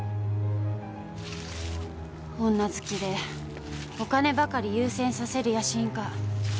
女好きでお金ばかり優先させる野心家。